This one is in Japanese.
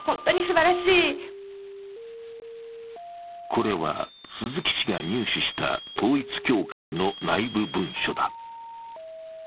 これは鈴木氏が入手した統一教会の内部文書だ。